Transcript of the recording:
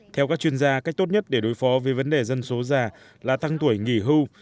theo các chuyên gia cách tốt nhất để đối phó với vấn đề dân số già là tăng tuổi nghỉ hưu